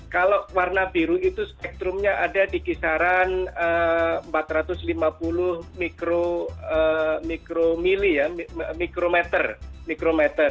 kalau warna biru itu spektrumnya ada di kisaran empat ratus lima puluh mikromi ya mikrometer